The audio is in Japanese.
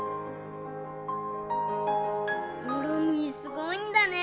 モロミーすごいんだね。